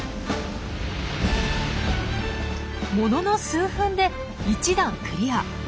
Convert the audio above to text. ものの数分で１段クリア！